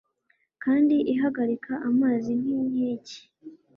kandi ihagarika amazi nk'inkike